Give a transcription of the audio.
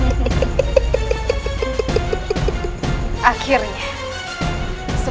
apakah kamu bisa mengenai apa yang saya katakan